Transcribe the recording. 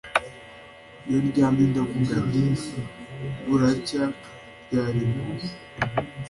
iyo ndyamye ndavuga nti buracya ryari ngo